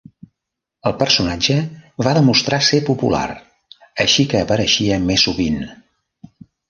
El personatge va demostrar ser popular, així que apareixia més sovint.